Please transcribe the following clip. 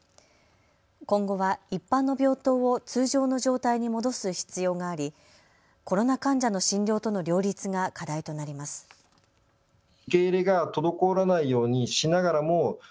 今後は一般の病棟を通常の状態に戻す必要がありコロナ患者の診療との両立が課題となります。